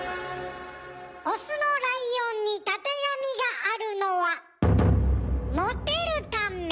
オスのライオンにたてがみがあるのはモテるため！